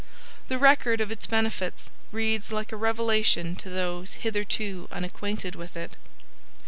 The record of its benefits reads like a revelation to those hitherto unacquainted with it.